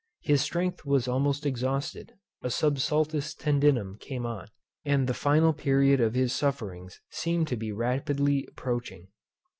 His strength was almost exhausted; a subsultus tendinum came on; and the final period of his sufferings seemed to be rapidly approaching.